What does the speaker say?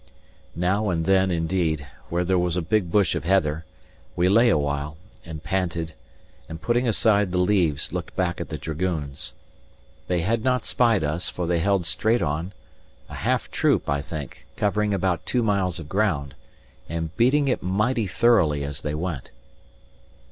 Now and then, indeed, where was a big bush of heather, we lay awhile, and panted, and putting aside the leaves, looked back at the dragoons. They had not spied us, for they held straight on; a half troop, I think, covering about two miles of ground, and beating it mighty thoroughly as they went.